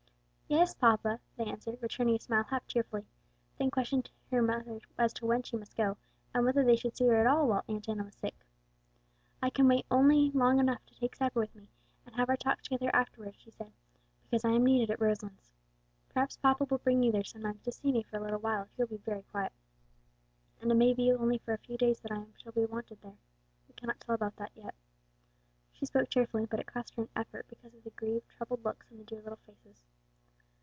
"Yes, papa," they answered, returning his smile half tearfully; then questioned their mother as to when she must go, and whether they should see her at all while Aunt Enna was sick. "I can wait only long enough to take supper with you, and have our talk together afterward," she said, "because I am needed at Roselands. Perhaps papa will bring you there sometimes to see me for a little while if you will be very quiet. And it may be only for a few days that I shall be wanted there; we cannot tell about that yet." She spoke cheerfully, but it cost her an effort because of the grieved, troubled looks on the dear little faces.